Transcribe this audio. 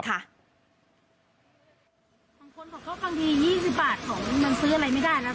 บางคนบอกเขาบางที๒๐บาทของมันซื้ออะไรไม่ได้แล้ว